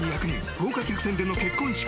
豪華客船での結婚式。